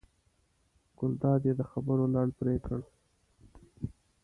ګلداد یې د خبرو لړ پرې کړ.